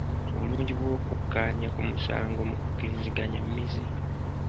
Obulungi bw'okukkaanya ku musango mu kukkiriziganya mmizi.